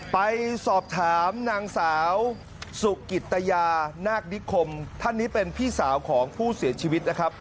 ไปสอบถามนางสาวสุกิตยานาคนิคมท่านนี้เป็นพี่สาวของผู้เสียชีวิตนะครับ